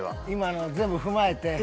今のを全部踏まえて。